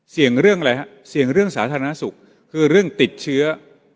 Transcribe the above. เรื่องอะไรฮะเสี่ยงเรื่องสาธารณสุขคือเรื่องติดเชื้อ